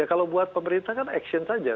kalau buat pemerintah kan action saja